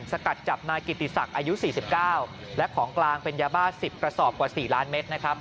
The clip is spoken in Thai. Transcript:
สกัดจับนายกิติศักดิ์อายุ๔๙และของกลางเป็นยาบ้า๑๐กระสอบกว่า๔ล้านเมตรนะครับ